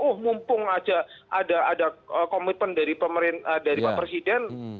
oh mumpung aja ada komitmen dari pak presiden